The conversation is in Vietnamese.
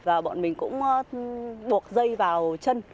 và bọn mình cũng buộc dây vào chân